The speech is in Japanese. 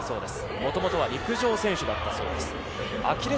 もともとは陸上選手だったそうです。